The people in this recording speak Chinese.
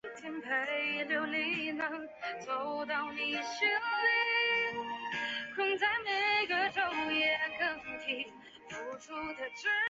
隆裕皇太后懿旨颁布宣统帝退位诏书。